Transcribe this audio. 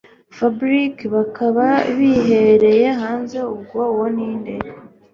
Fabric bakaba bihereye hanze ubwo uwo ninde